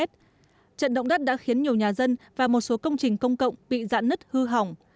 trận động đất đã khiến nhiều nhà dân và một số công trình công cộng bị giãn nứt hư hỏng